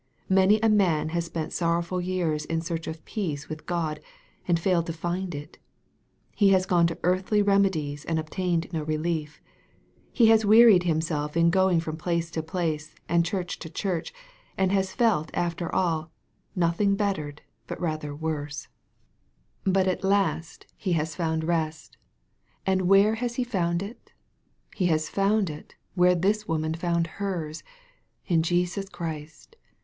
Many a man has spent sorrowful years in search of peace with God, and failed to find it. He has gone to earthly re medies and obtained no relief. He has wearied himself in going from place to place, and church to church, and has felt after all " nothing bettered, but rather worse." MAKE, CHAP. V. 101 But at last he has found rest. And where has he found it ? He has found it, where this woman found her's, in Jesus Christ.